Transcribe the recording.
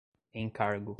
encargo